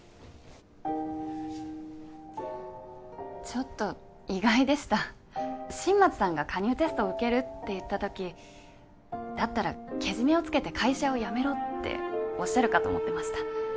ちょっと意外でした新町さんが加入テストを受けるって言った時だったらけじめをつけて会社をやめろっておっしゃるかと思ってました